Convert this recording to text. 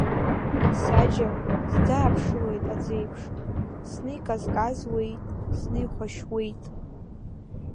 Саџьал сӡааԥшылоит аӡеиԥш, зны иказказуеит, зны ихәашьуеит.